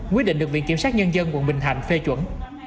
quyết định được viện kiểm sát nhân dân quận bình thạnh phê chuẩn